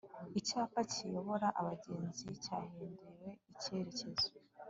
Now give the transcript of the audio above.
Icyapa kiyobora abagenzi cyahinduriwe icyerekezo